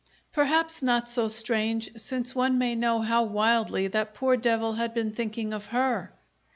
Perhaps not so strange, since one may know how wildly that poor devil had been thinking of her!